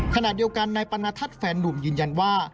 ขณะเดียวกันนายปรณทัศน์แฟนนุ่มยืนยันว่า